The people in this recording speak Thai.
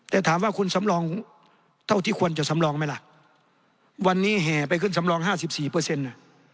แต่ถามว่าคุณสำรองเท่าที่ควรจะสำรองไหมล่ะวันนี้แห่ไปขึ้นสำรองห้าสิบสี่เปอร์เซ็นต์น่ะ